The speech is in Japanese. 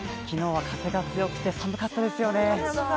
昨日は風が強くて、寒かったですよね。